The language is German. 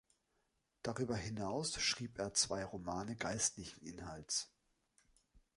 Darüber hinaus schrieb er zwei Romane geistlichen Inhalts.